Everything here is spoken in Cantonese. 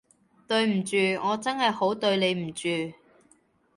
對唔住，我真係好對你唔住